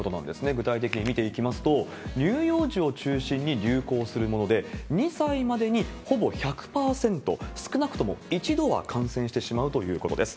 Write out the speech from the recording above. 具体的に見ていきますと、乳幼児を中心に流行するもので、２歳までにほぼ１００％、少なくとも１度は感染してしまうということです。